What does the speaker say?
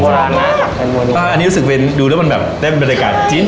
เป็นเหมือนโบราณน่ะแต่อันนี้รู้สึกเป็นดูแล้วมันแบบเต็มบรรยากาศจริงจริงน่ะ